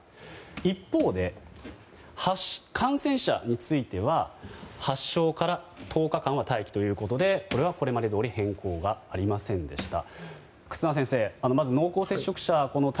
一方で、感染者については発症から１０日間は待機ということでこれは、これまでどおり変更がありませんでした。